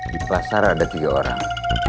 di pasar ada tiga orang